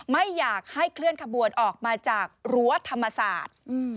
ไม่อยากให้เคลื่อนขบวนออกมาจากรั้วธรรมศาสตร์